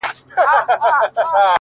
گراني انكار’